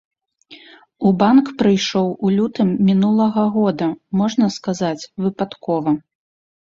У банк прыйшоў у лютым мінулага года, можна сказаць, выпадкова.